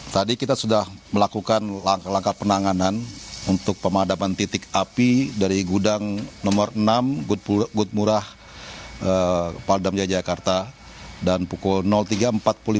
tadi kita sudah melakukan langkah langkah penanganan untuk pemadaman titik api dari gudang nomor enam good murah padam jayakarta dan pukul tiga empat puluh lima